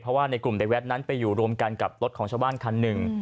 เพราะว่าในกลุ่มในแวดนั้นไปอยู่รวมกันกับรถของชาวบ้านคันหนึ่ง